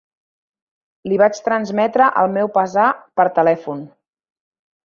Li vaig transmetre el meu pesar per telèfon.